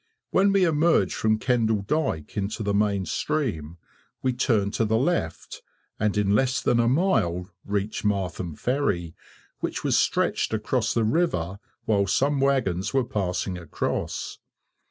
When we emerged from Kendal dyke into the main stream, we turned to the left, and in less than a mile reached Martham Ferry, which was stretched across the river while some wagons were passing across.